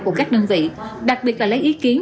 của các đơn vị đặc biệt là lấy ý kiến